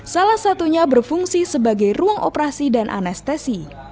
salah satunya berfungsi sebagai ruang operasi dan anestesi